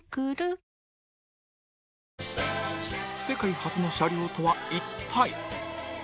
世界初の車両とは一体？